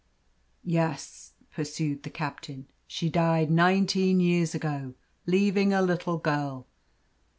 "Yes," pursued the captain, "she died nineteen years ago, leaving a little girl.